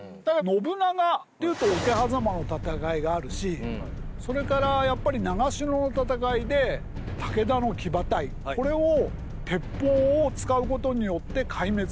信長というと桶狭間の戦いがあるしそれからやっぱり長篠の戦いで武田の騎馬隊これを鉄砲を使うことによって壊滅させる。